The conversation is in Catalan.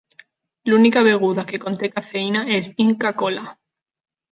L'única beguda que conté cafeïna és Inca Kola.